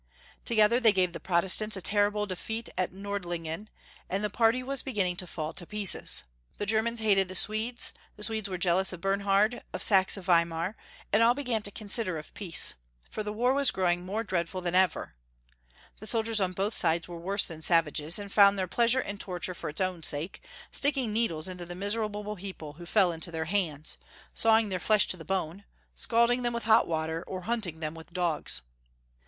Together, they gave the Protestants a terrible defeat at Nordlingen, and the party was beginning to fall to pieces. The Germans hated the Swedes, the Swedes were jealous of Bernhai'd of Saxe Weimar, and all began to consider of peace, for the war was growing more dreadful than ever. The soldiers on both sides were worse than lavages, and found their pleasure in torture for its own sake, sticking needles into the miserable people who fell 849 350 Young Folks' History of Germany. into their hands, Ba\ving their fiesh to the bone, scalding them with hot water, or hunting them with dogs.